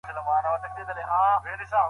د سياستپوهني اهميت هيڅکله نسي کمېدای.